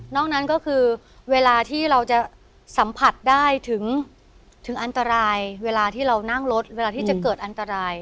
นั้นก็คือเวลาที่เราจะสัมผัสได้ถึงอันตรายเวลาที่เรานั่งรถเวลาที่จะเกิดอันตราย